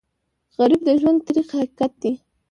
غریب د ژوند تریخ حقیقت دی